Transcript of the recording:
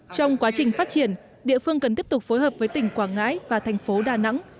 trong quá trình phát triển địa phương cần tiếp tục phối hợp với tỉnh quảng ngãi và thành phố đà nẵng